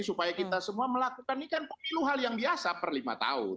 supaya kita semua melakukan ini kan pemilu hal yang biasa per lima tahun